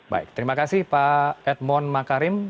baik terima kasih pak edmond makarim